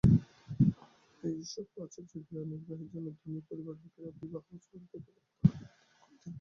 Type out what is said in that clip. এই সকল আচার্যের ব্যয়নির্বাহের জন্য ধনী পরিবারের লোকেরা বিবাহ-শ্রাদ্ধাদি উপলক্ষ্যে তাঁহাদিগকে দান করিতেন।